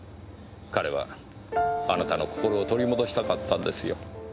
彼はあなたの心を取り戻したかったんですよ。